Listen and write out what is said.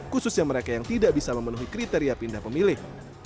khususnya mereka yang tidak bisa memenuhi kriteria pindah pemilih